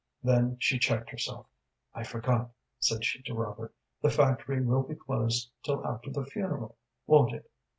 Then she checked herself. "I forgot," said she to Robert; "the factory will be closed till after the funeral, won't it?"